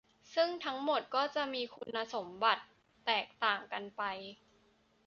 ซึ่งทั้งหมดก็จะมีคุณสมบัติแตกต่างกันไป